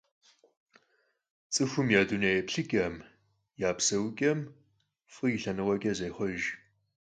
Ts'ıxuxem ya dunêyêplhıç'em, ya pseuç'em f'ı yi lhenıkhueç'e zêxhuejj.